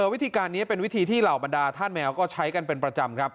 วิธีการนี้เป็นวิธีที่เหล่าบรรดาธาตุแมวก็ใช้กันเป็นประจำครับ